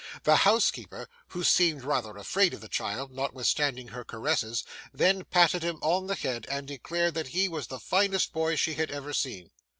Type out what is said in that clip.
The housekeeper (who seemed rather afraid of the child, notwithstanding her caresses) then patted him on the head, and declared that he was the finest boy she had ever seen.